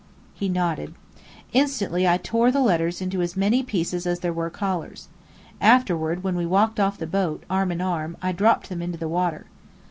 He nodded. Instantly I tore the letters into as many pieces as there were collars. Afterward, when we walked off the boat, arm in arm, I dropped them into the water.